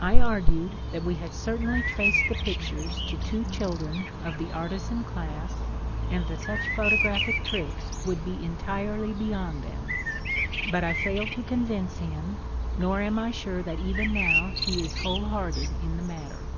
I argued that we had certainly traced the pictures to two children of the artisan class, and that such photo graphic tricks would be entirely beyond them, but I failed to convince him, nor am I sure that even now he is whole hearted in the matter.